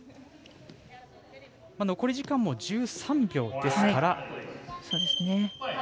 残り時間も１３秒ですから。